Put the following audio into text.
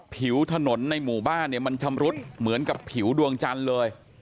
ผิวถนนในหมู่บ้านเนี่ยมันชำรุดเหมือนกับผิวดวงจันทร์เลย